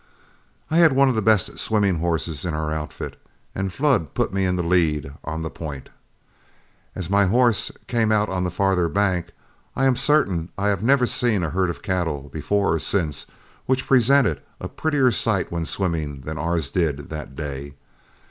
I had one of the best swimming horses in our outfit, and Flood put me in the lead on the point. As my horse came out on the farther bank, I am certain I never have seen a herd of cattle, before or since, which presented a prettier sight when swimming than ours did that day.